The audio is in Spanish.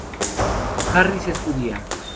Harris es judía.